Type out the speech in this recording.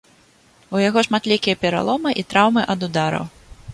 У яго шматлікія пераломы і траўмы ад удараў.